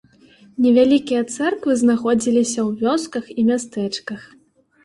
Невялікія цэрквы знаходзіліся ў вёсках і мястэчках.